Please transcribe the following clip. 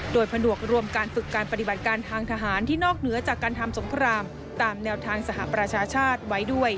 โดยผนวกรวมการฝึกการปฏิบัติการทางทหารที่นอกเหนือจากการทำสงครามตามแนวทางสหประชาชาติไว้ด้วย